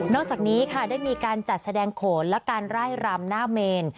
นอกจากนี้ก็ได้มีการจัดแสดงโขล์และการร่ายรามหน้าเมน